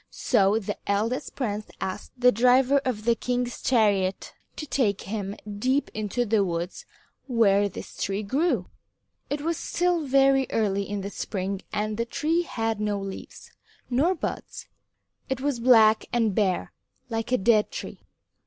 So the eldest prince asked the driver of the king's chariot to take him deep into the woods where this tree grew. It was still very early in the spring and the tree had no leaves, nor buds. It was black and bare like a dead tree.